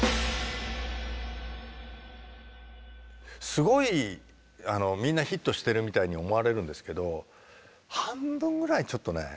すごいみんなヒットしてるみたいに思われるんですけど半分ぐらいちょっとね